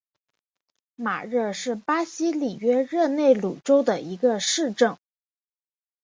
马热是巴西里约热内卢州的一个市镇。